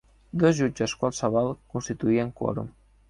Dos jutges qualsevol constituïen quòrum.